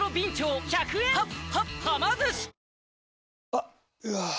あっ、うわー。